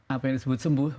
apa yang disebut sembuh